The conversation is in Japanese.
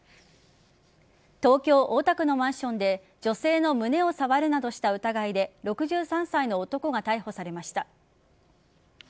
東京・大田区のマンションで女性の胸を触るなどした疑いで６３歳の男が逮捕されました。